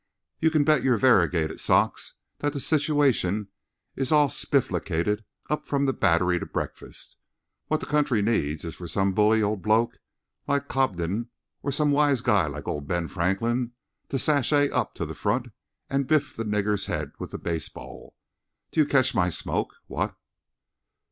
You can bet your variegated socks that the situation is all spifflicated up from the Battery to breakfast! What the country needs is for some bully old bloke like Cobden or some wise guy like old Ben Franklin to sashay up to the front and biff the nigger's head with the baseball. Do you catch my smoke? What?"